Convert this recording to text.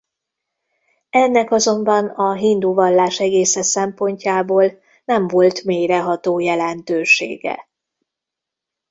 Ennek azonban a hindu vallás egésze szempontjából nem volt mélyreható jelentősége.